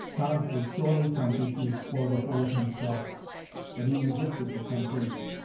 Carnes was sorely tempted to explore the hole himself, but he resisted the temptation.